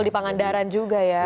di pangandaran juga ya